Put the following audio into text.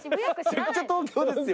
めっちゃ東京ですよ。